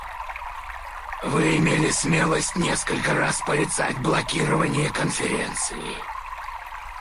Вы имели смелость несколько раз порицать блокирование Конференции.